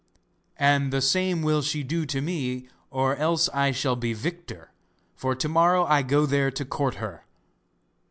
'And the same will she do to me, or else I shall be victor, for to morrow I go there to court her.